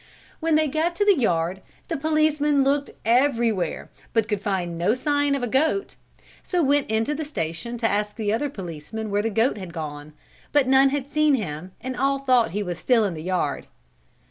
When they got to the yard the policeman looked everywhere, but could find no sign of a goat, so went into the station to ask the other policemen where the goat had gone, but none had seen him and all thought he was still in the yard.